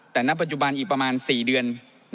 แต่ณปัจจุบันอีกประมาณ๔เดือน